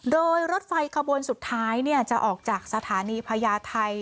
โดยรถไฟขบวนสุดท้ายจะออกจากสถานีพญาไทย